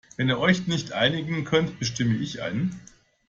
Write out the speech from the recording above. Wenn ihr euch nicht einigen könnt, bestimme ich einen.